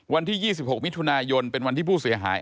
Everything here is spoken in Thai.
วันที่๒๖มิถุนายนเป็นวันที่ผู้เสียหาย